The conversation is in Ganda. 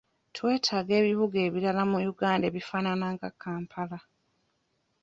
Twetaaga ebibuga ebirala mu Uganda ebifaanana nga Kampala.